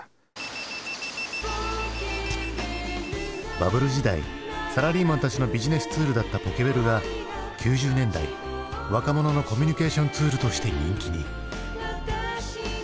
バブル時代サラリーマンたちのビジネスツールだったポケベルが９０年代若者のコミュニケーションツールとして人気に。